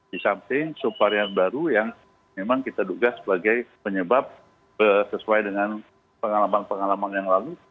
di samping subvarian baru yang memang kita duga sebagai penyebab sesuai dengan pengalaman pengalaman yang lalu